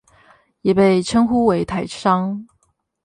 也被稱呼為台商